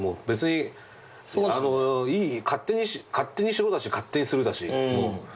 別に勝手にしろだし勝手にするだし。